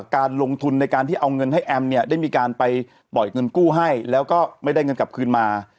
การลงทุนในการที่เอาเงินให้แอมเนี่ยได้มีการไปปล่อยเงินกู้ให้แล้วก็ไม่ได้เงินกลับคืนมา